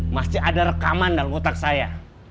masih ada rekaman dalam otak saya